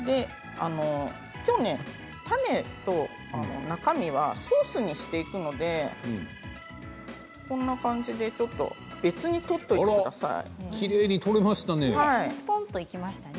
きょう、種と中身はソースにしていくのでこんな感じで、ちょっと別に取っておいてください。